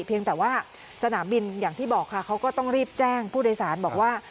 เพียงแต่ว่าสนามบินอย่างที่บอกค่ะเขาก็ต้องรีบแจ้งผู้โดยสารบอกว่า